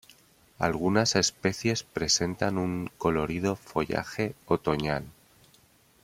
Algunas especies presentan un colorido follaje otoñal.